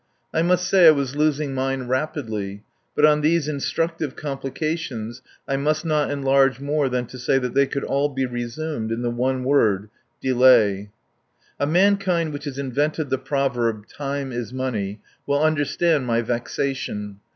I must say I was losing mine rapidly. But on these instructive complications I must not enlarge more than to say that they could all be resumed in the one word: Delay. A mankind which has invented the proverb, "Time is money," will understand my vexation.